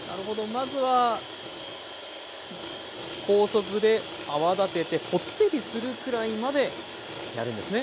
まずは高速で泡立ててポッテリするくらいまでやるんですね。